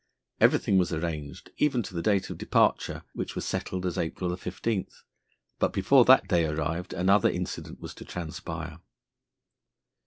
Everything was arranged, even to the date of departure, which was settled as April 15. But before that day arrived another incident was to transpire.